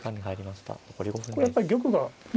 やっぱり玉がね